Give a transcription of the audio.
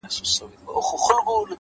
نظم د بریالیتوب خاموش ځواک دی!